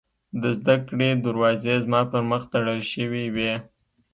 د زدکړې دروازې زما پر مخ تړل شوې وې